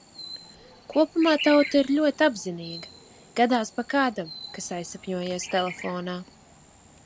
Kopumā tauta ir ļoti apzinīga, gadās pa kādam, kas azisapņojies telefonā.